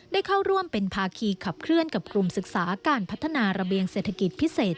ได้เข้าร่วมเป็นภาคีขับเคลื่อนกับกลุ่มศึกษาการพัฒนาระเบียงเศรษฐกิจพิเศษ